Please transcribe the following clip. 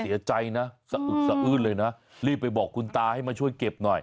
เศรษฐ์ใจนะสะอึดเลยนะรีบไปบอกคุณตาให้มาช่วยเก็บหน่อย